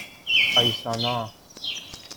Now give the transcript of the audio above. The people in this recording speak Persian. آیسانا